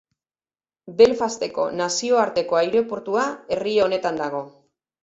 Belfasteko Nazioarteko aireportua herri honetan dago.